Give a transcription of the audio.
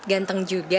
ganteng juga ya